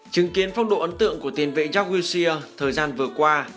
chứng kiến phong độ ấn tượng của tiền vệ jacques wilshere thời gian vừa qua